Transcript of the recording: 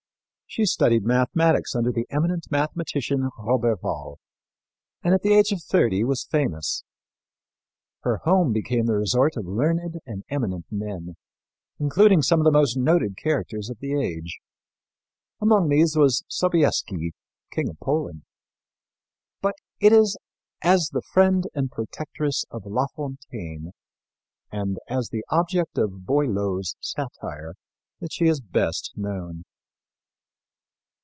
She studied mathematics under the eminent mathematician, Roberval, and at the age of thirty was famous. Her home became the resort of learned and eminent men, including some of the most noted characters of the age. Among these was Sobieski, King of Poland. But it is as the friend and protectress of La Fontaine and as the object of Boileau's satire that she is best known.